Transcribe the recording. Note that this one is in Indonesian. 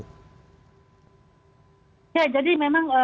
ya jadi memang